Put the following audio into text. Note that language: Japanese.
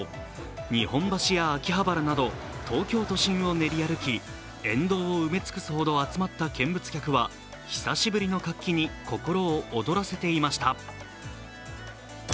日本橋や秋葉原など、東京都心を練り歩き、沿道を埋め尽くすほど集まった見物客は久しぶり活気に心を躍らせていました。